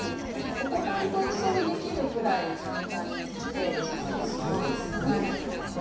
お子さんと一緒にできるくらい簡単に作れてしまいます。